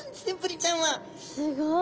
すごい。